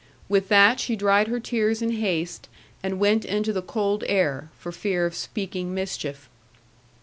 With that, she dried her tears in haste and went into the cold air, for fear of speaking mischief.